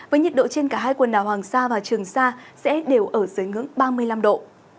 với nhiệt độ trên cả hai quần đảo hoàng sa và trường sa sẽ đều ở dưới ngưỡng ba mươi năm độ